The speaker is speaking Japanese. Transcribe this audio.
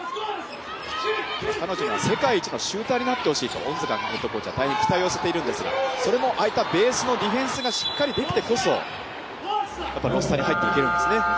彼女が世界一のシューターになってほしいと恩塚ヘッドコーチは大変期待を寄せているんですがそれもああいったベースのディフェンスがしっかりできてこそロースターに入っていけるんですね。